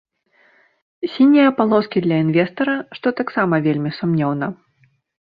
Сінія палоскі для інвестара, што таксама вельмі сумнеўна.